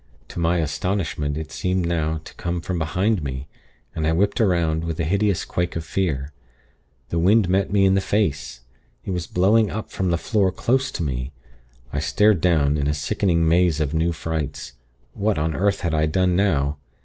To my astonishment, it seemed now to come from behind me, and I whipped 'round, with a hideous quake of fear. The wind met me in the face. It was blowing up from the floor close to me. I stared down, in a sickening maze of new frights. What on earth had I done now!